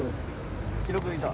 記録いた？